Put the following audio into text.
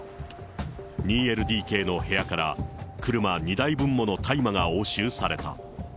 ２ＬＤＫの部屋から車２台分もの大麻が押収された。